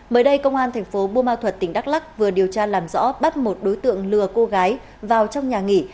mới đây công an tp bumal thuật tỉnh đắk lắc vừa điều tra làm rõ bắt một đối tượng lừa cô gái vào trong nhà nghỉ